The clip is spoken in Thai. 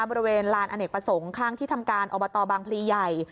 บริเวณลานอเนกประสงค์ข้างที่ทำการอบตบางพลีใหญ่